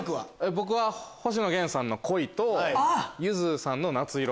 僕は星野源さんの『恋』とゆずさんの『夏色』。